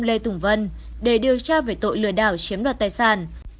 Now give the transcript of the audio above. cơ quan an ninh điều tra công an tỉnh long an đã khởi tố bị tội phạm